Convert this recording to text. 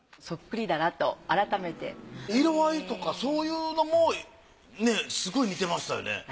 そっくりだなと改めて。色合いとかそういうのもねすごい似てましたよね。